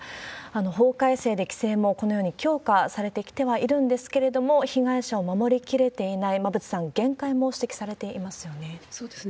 法改正で規制も、この用に強化されてきてはいるんですけれども、被害者を守りきれていない、馬渕さん、そうですね。